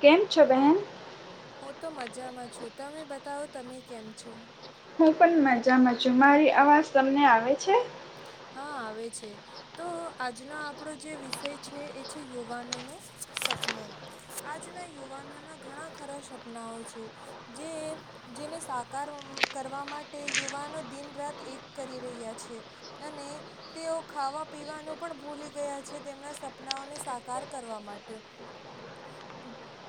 કેમ છો બહેન? હું તો મજામાં છું, તમે બતાવો તમે કેમ છો? હું પણ મજા મા છું મારી અવાજ તમને આવે છે. હા આવે છે તો આજનો આપણો જે વિષય છે એ છે યુવાનોનું સપનું આજના યુવાનોના ઘણા ખરા સપનાઓ છે જે જેને સાકાર કરવા માટે યુવાનો દિન રાત એક કરી રહ્યા છે. અને તેઓ ખાવા પીવાનું પણ ભૂલી ગયા છે તેમના સપનાઓને સાકાર કરવા માટે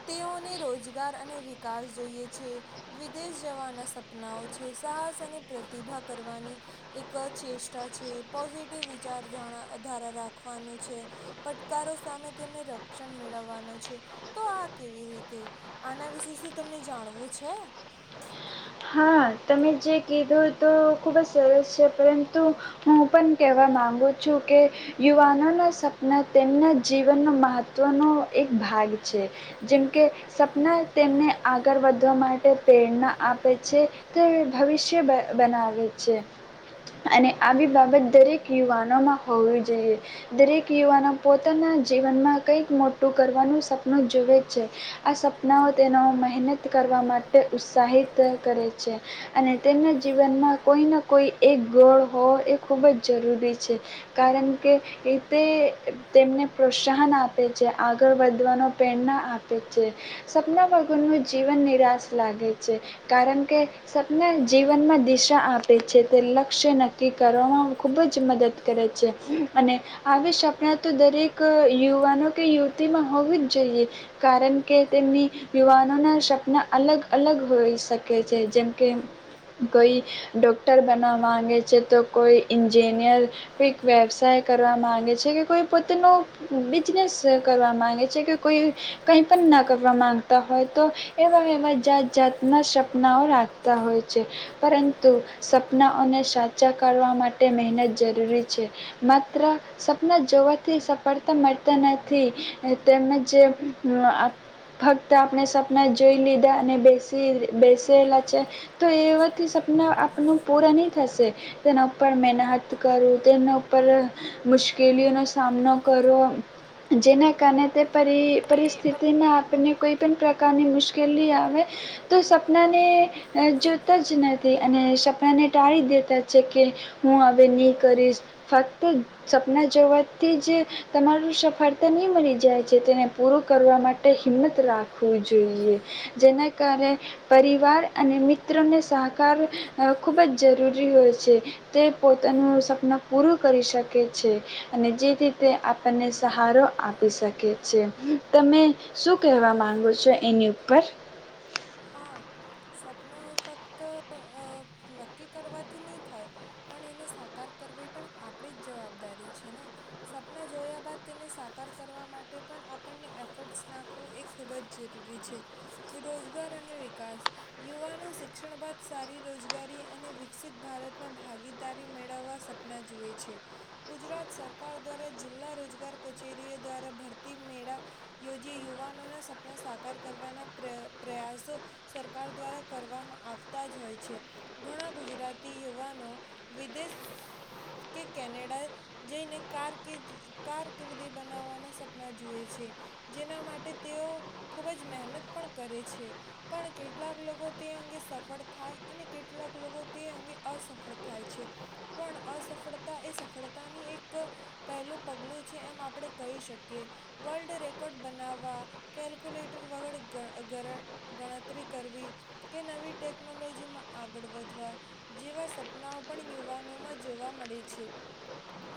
તેઓને રોજગાર અને વિકાસ જોઈએ છે વિદેશ જવાના સપનાઓ છે સાહસ અને પ્રતિભા કરવાની એક ચે છે પોઝિટિવ વિચાર ધારા રાખવાનું છે પટકારો સામે તેમને રક્ષણ મેળવવાનું છે તો આ કેવી રીતે આના વિશે શું તમને જાણવું છે. હા તમે જે કીધું તો ખૂબ જ સરસ છે પરંતુ હું પણ કહેવા માગું છું કે યુવાનોના સપના તેમના જીવનનો મહત્ત્વનો એક ભાગ છે જેમ કે સપના તેમને આગળ વધવા માટે પ્રેરણા આપે. છે તે ભવિષ્ય બનાવે છે અને આવી બાબત. દરેક યુવાનોમાં હોવી જોઈએ દરેક યુવાનો પોતાના જીવનમાં કંઈક મોટું કરવાનું સપનું જુએ જ છે આ સપનાઓ તેનો મહેનત કરવા માટે ઉત્સાહિત કરે છે અને તેમના જીવનમાં કોઈને કોઈ એક ગોળ હો એ ખૂબ જ. એવું બી છે કારણ કે એટલે તમને પ્રોત્સાહના આપે છે આગળ વધવા ની પ્રેરણા આપે છે સપના વગર નું જીવન નિરાશકારક છે કારણ કે સપના જીવન મા દિશા આપે છે તે લક્ષય નક્કી કરવા મા ખુબજ જે મદદ કારે છે અને આવી સપના તો દરેક યુવાનો અને યુવતીઓ મા હોવીજ જોયે કારણકે તમની યુવાનો મા સપના અલગ અલગ હોઈ છે અમે કે જે જેમ કે, કોઈ ડોક્ટર બનાવા માંગે છે તો કોઈ ઈન્જિન [unintelligible] કઈ વેવાસાય કરવા માંગે છે કે કોઈ પોતાનું બૂઝિનેસ્સ કરવા માંગે છે કે કોઈ કાંઈ પણ ન કરવા માંગતાં હોઈએ તો એવા એવા જાતા જાતા ના સપ નવ એના જરૂરી છે. માત્રા સપના જોવાતી સફળતા મળતી નથી તેમેજ [unintelligible] ફક્ત અપને જોઈ લીધા અને બેસી [unintelligible] તો એવા સપના આપનું પૂરા નહીં થશે તો કરું તેના ઉપર મુશ્કેલીઓનો સામનો કરો, જેને કારને તે પરિ પરિસ્થિતિમાં આપને કોઈ પણ પ્રકારની મુશ્કેલી આવે તો સપનાને અહ જોતા જ નથી અને સપનાને ટાળી દેતા જ છે કે હું આ કરીશ ફકત સપના જોવાથી જ તમારું સફળતા નહીં મળી જાય છે, જે જેને પૂરું કરવા માટે જ હિંમત રાખવી જોઈએ, જેને કારણે પરિવાર અને મિત્ર હંમેશા [unintelligible] ખૂબ જ જરૂરી હોય છે, તે પો તેનું સપના પૂરું કરી શકે છે, અને જે રીતે આપણને સહારો આપી શકે છે. તમે શું કહેવા માંગો છો એની ઉપર? હા, સપનું એ ફક્ત અહ નક્કી કરવાથી નહીં થાય પણ એને સાકાર કરવી પણ આપણી જવાબદારી જ છે ને? સપના જોયાં બાદ તેને સાકાર કરવા માટે પણ આપણને એફરટ્સ નાખવું એ ખૂબ જ જરૂરી છે. રોજગાર અને વિકાસ, યુવાનો શિક્ષણ બાદ સારી રોજગારી અને વિકસિત ભારતમાં ભાગીદાર [unintelligible] મેળવવા સપના જુએ છે. ગુજરાત સરકાર દ્વારા જિલ્લા રોજગાર કચેરી દ્વારા ભરતી મેળા યોજી યુવાનોના સપના કરવાના પ્રય પ્રયાસો સરકાર દ્વારા કરવામા આવતા જ હોય છે. ઘણા ગુજરાતી યુવાનો વિદેશ કે કેનેડા જઈને કારકીદ કારકિર્દી બનાવવાના સપના જુએ છે, જેના માટે તેઓ ખૂબ જ મહેનત પણ કરે છે. પણ કેટલાક લોકો તે અંગે સફળ થાય અને કેટલાક લોગો એ અંગે અસફળ થાય. છે. પણ અસફળતા એ સફળતા ની એક પહેલું પગલું છે એમ આપડે કહી શકીએ. વલર્ડ રેકોડ બનાવવા, કેલ્યુકેલેટર વગર ગ ગરર ગણતરી કરવી કે નવી ટેક્નોલોજી માં આગળ વધવા જેવા સપનાઓ પણ યુવાનોમાં જોવા મળે છે.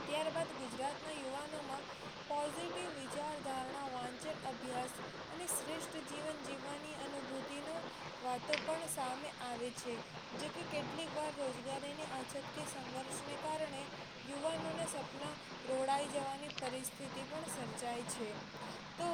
ત્યારબદ ગુજરાતના યુવાનોમાં પોઝિટિવ વિચારધારણા વાંચન અભ્યાસ અને શ્રેષ્ઠ જીવન જીવવાની અનુભૂતિ નું વાતો પણ સામે આવે છે, જોકે કેટલીક વાર રોજગારીની આ [unintelligible] સંઘર્ષને કારણે યુવાનોના સપના રોળાઈ જવાની પરિસ્થિતિ પણ સર્જાય છે, તો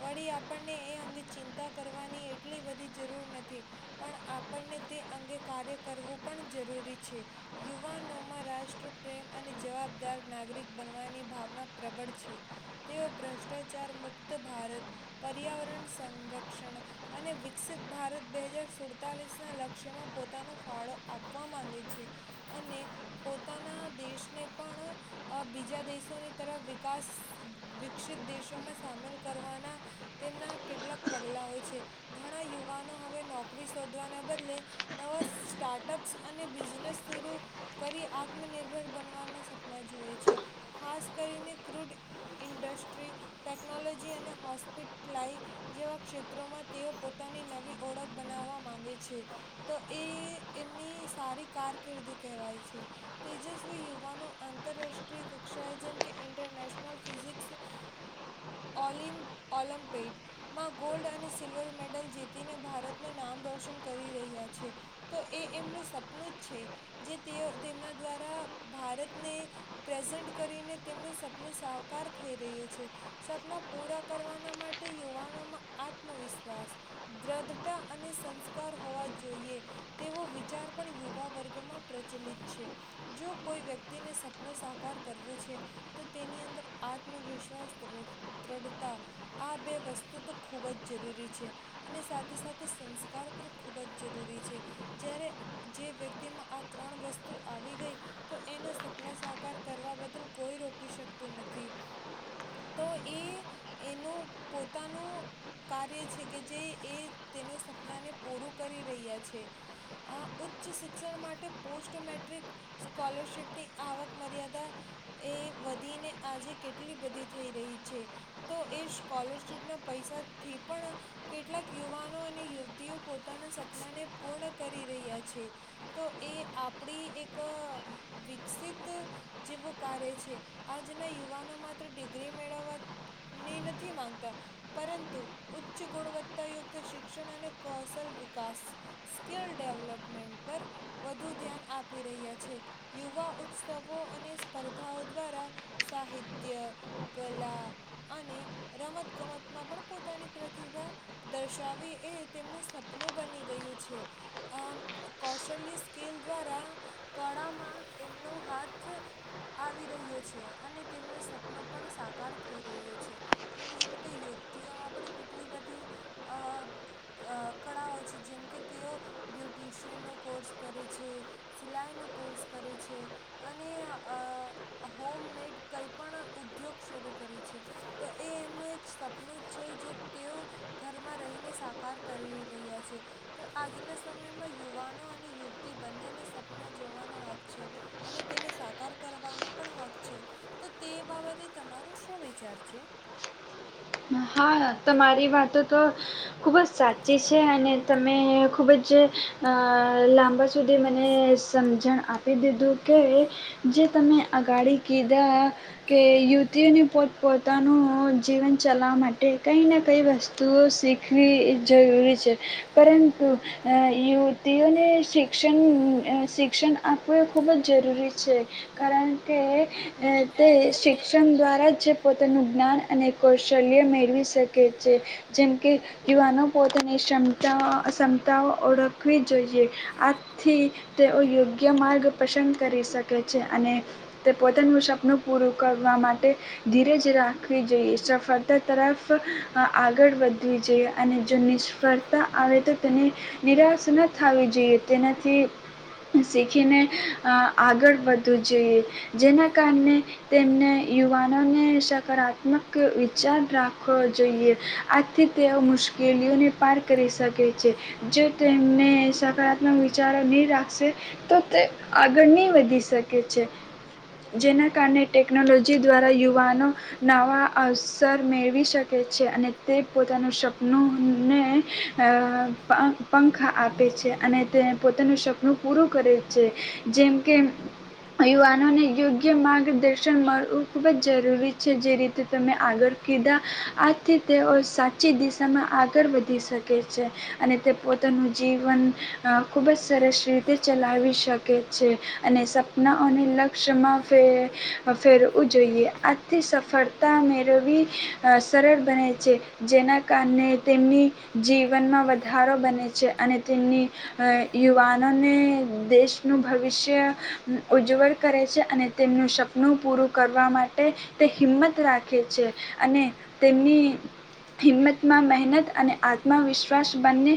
વળી આપણને એ અંગે ચિંતા કરવાની એટલી બધી જરૂર નથી પણ આપણને તે અંગે કાર્ય કરવું પણ જરૂરી છે. યુવાનોમાં રાષ્ટ્ર, પ્રેમ અને જવાબદાર નાગરિક બનવાની ભાવના પ્રબળ છે. તેઓ ભ્રષ્ટાચાર મુક્ત ભારત, પર્યાવરણ સંરક્ષણ અને વિકસિત ભારત બે હજાર સુડતાલીસ ના લક્ષ્યમાં પોતાનો ફાળો આપવા માંગે છે. અને પોતાના દેશને પણ અહ બીજા દેશોની તરફ વિકાસ વિકસિત દેશોમાં સામેલ કરવાના તેમના કેટલાક પગલાંઓ છે. ઘણા યુવાનો હવે નોકરી શોધવાના બદલે નવા સ્ટાર્ટઅપ્સ અને બિઝનેસ સુરૂ કરી આત્મનિર્ભર બનવાના સપના જુએ છે. ખાસ કરીને ક્રૂડ ઇન્ડસ્ટ્રી, ટેકનોલોજી અને હોસ્પિટલાઈ જેવા ક્ષેત્રોમાં તેઓ પોતાની નવી ઓળખ બનાવવા માંગે છે. તો એ એમની સારી કારકિર્દી કહેવાય છે. તેજસ્વી યુવાનો આંતરરાષ્ટ્રીય કક્ષાએ જેમ કે ઇન્ટરનેશનલ ફિઝિક્સ ઓલીન ઓલમ્પિડમાં ગોલ્ડ અને સિલ્વર મેડલ જીતીને ભારતનું નામ રોશન કરી રહ્યા છે. તો એ એમનું સપનું જ છે. જે તેઓ તેમના દ્વારા ભારતને પ્રેઝન્ટ કરીને તેમનું સપનું સાહકાર થઈ રહ્યું છે. સપના પૂરા કરવાના માટે યુવાનોમાં આત્મવિશ્વાસ, દ્રઢતા અને સંસ્કાર હોવા જોઈએ, તેવો વિચાર પણ યુવા વર્ગમાં પ્રચલિત છે. જો કોઈ વ્યક્તિને સપનું સાકાર કરવું છે, તો તેની અંદર આત્મવિશ્વાસ, દ્ર દ્રઢતા આ બે વસ્તુ તો ખૂબ જ જરૂરી છે અને સાથે સાથે સંસ્કાર પણ ખૂબ જ જરૂરી છે, જ્યારે જે વ્યક્તિમાં આ ત્રણ વસ્તુ આવી ગઈ, તો એનું સપના સાકાર કરવા બદલ કોઈ રોકી શકતું નથી, તો એ એનું પોતાનું કાર્ય છે કે જે એ તેનું સપનાને પૂરું કરી રહ્યા છે. આ ઉચ્ચ શિક્ષણ માટે પોસ્ટ મેટ્રિક સ્કોલરશિપની આવક મર્યાદા એ વધીને આજે કેટલી બધી થઈ રહી છે, તો એ સ્કોલરશિપના પૈસાથી પણ કેટલાક યુવાનો અને યુવતીઓ પોતાના સપનાને પૂર્ણ કરી રહ્યા છે તો એ આપણી એક વિકસિત જેવું કાર્ય છે. આજના યુવાનો માત્ર ડિગ્રી મેળવવાની નથી માગતા પરંતુ, ઉચ્ચ ગુણવત્તાયુક્ત શિક્ષણ અને કૌશલ વિકાસ સ્કિલ ડેવલપમેન્ટ પર વધુ ધ્યાન આપી રહ્યા છે. યુવા ઉત્સવો અને સ્પર્ધાઓ દ્વારા સાહિત્ય, કલા અને રમતગમતમાં પણ પોતાની પ્રતિભા દર્શાવી એ તેમનું સપનું બની ગયું છે, આ કૌશલ્ય સ્કેલ દ્વારા કળામાં એમનો હાથ આવી રહ્યો છે અને તેમનો સપનો પણ સાકાર થઈ રહ્યો છે. તેવી જ રીતે યુવતીઓમાં પણ કેટલી બધી અ કળાઓ છે. જેમકે તેઓ બ્યુટિશિયનનો કોર્સ કરે છે, સિલાઈનો કોર્સ કરે છે અને અ હોમમેડ કંઈ પણ ઉદ્યોગ શરૂ કરે છે. તો એ એમનું એક સપનું જ છે. જે તેઓ ઘરમાં રહીને સાકાર કરી રહ્યા છે. તો આજના સમયમાં યુવાનો અને યુ બંનેને સપના જોવાનો હક છે અને તેને સાકાર કરવાનો પણ હક છે. તો તે બાબતે તમારો શું વિચાર છે? હા. તમારી વાતો તો ખૂબ જ સાચી છે અને તમે ખૂબ જ લાંબા અ સુધી મને સમજણ આપી દીધું કે જે તમે અગાડી કીધા કે યુવતીઓને પોત પોતાનું જીવન ચલાવવા માટે કંઈ ને કંઈ વસ્તુ તુઓ શીખવી જરૂરી છે પરંતુ અ યુવતીઓને શિક્ષણ શિક્ષણ આપવું એ ખૂબ જ જરૂરી છે કારણ કે તે શિક્ષણ દ્વારા જ પોતાનું જ્ઞાન અને કૌશલ્ય મેળવી શકે છે જેમ યુવાનો પોતાની ક્ષમતાઓ ક્ષમતાઓ ઓળખવી જોઈએ આથી તેઓ યોગ્ય માર્ગ પસંદ કરી શકે છે અને તે પોતાનું સપનું પૂરું કરવા માટે ધીરજ રાખવી જોઈએ. ફરતા તરફ આગળ વધ વધવી જોઈએ અને જો નિષ્ફળતા આવે તો તેની નિરાશ ન થવી જોઈએ તેનાથી શીખીને અ આગળ વધવું જોઈએ જેના કારણે તેમને યુવાનોને સકારાત્મક વિચાર રાખવો જોઈએ આથી તેઓ મુશ્કેલીઓને પાર કરી શકે છે જો તેમને સકારાત્મક વિચારો નહીં રાખશે તો તે આગળ નહીં વધી શકે છે જેના કારણે ટેકનોલોજી દ્વારા યુવાનો નવા અવસર મેળવી શકે છે અને. તે પોતાનું સપનુંને અ પંખ આપે છે અને તે પોતાનું સપનું પૂરું કરે છે જેમ કે યુવાનોને યોગ્ય માર્ગદર્શન મળવું ખૂબ જ જરૂરી છે જે રીતે. આગળ કીધા આથી તેઓ સાચ. ઊચી દિશામાં આગળ વધી શકે છે અને તે પોતાનું જીવન ખૂબ જ સરસ રીતે ચલાવી શકે છે અને સપનાઓ અને લક્ષ્યમાંે ફેરવું જોઈએ આજથી સફળ. સફરતા મેળવી સરળ બને છે જેના. કારણે તેમની જીવનમાં વધારો બને છે અને તેમની યુવાનોને દેશનું ભવિષ્ય ઉજ્જવળ કરે છે અને તેમનું સપનું પૂરું કરવા માટે તે હિંમત. રાખે છે અને તેમની. માં મહેનત અને આત્મવિશ્વાસ બંને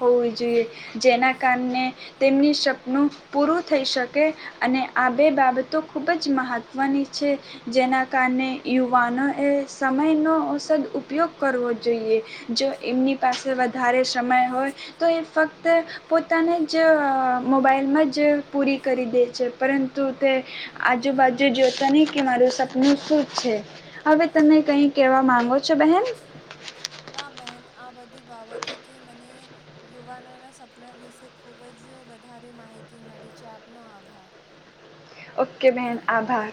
હોવવી જોઈએ જેના કારણે તેમની સપનું પૂરું થઈ શકે અને આ બે બાબતો ખૂબ જ મહત્ત્વની છે જેના કારણે. યુવાનો એ સમય ન ઔષધ ઉપયોગ કરવો. જોઈએ જો એમની પાસે વધારે સમય હોય તો એ ફક્ત પોતાને જ મોબાઈલમાં જ પૂરી કરી દે છે પરંતુ તે આજુબાજુ જોતા નહીં કે મારું સપનું શું. હવે તને કઈ કેવા માંગો છો બેહેન. ના બહેન આ બધી. બાબત ઉથી મને. યુવાનોના સપના વિશે ખૂબ જ વધારે માહિતી મળી છે આપનો આભાર. ઓકે બેણ આભાર.